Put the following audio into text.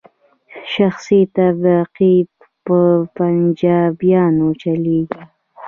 شخصي مطبعې په پنجابیانو چلیږي.